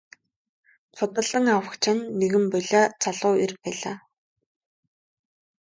Худалдан авагч нь нэгэн булиа залуу эр байлаа.